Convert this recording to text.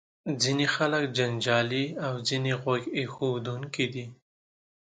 ځینې خلک جنجالي او ځینې غوږ ایښودونکي دي.